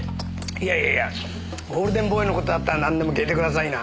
いやいやいやゴールデンボーイの事だったらなんでも聞いてくださいな。